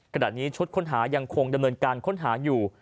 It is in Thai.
ขณะนี้ชุดค้นหายังคงดำเนินการค้นหาอยู่